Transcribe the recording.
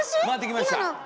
回ってきました。